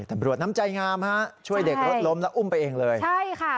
น้ำใจงามฮะช่วยเด็กรถล้มแล้วอุ้มไปเองเลยใช่ค่ะ